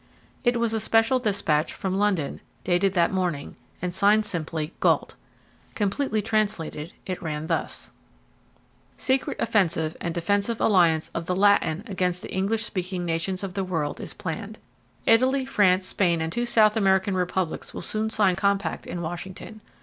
It was a special despatch from Lisbon dated that morning, and signed simply "Gault." Completely translated it ran thus: "Secret offensive and defensive alliance of the Latin against the English speaking nations of the world is planned. Italy, France, Spain and two South American republics will soon sign compact in Washington.